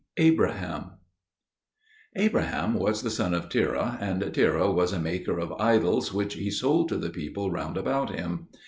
ABRAHAM Abraham was the son of Terah, and Terah was a maker of idols which he sold to the people round about him.